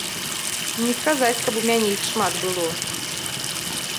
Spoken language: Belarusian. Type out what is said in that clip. Не сказаць, каб у мяне іх шмат было.